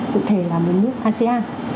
cụ thể là một nước asean